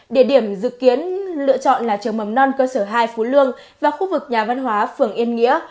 địa điểm dự kiến lựa chọn là trường mầm non cơ sở hai phú lương và khu vực nhà văn hóa phường yên nghĩa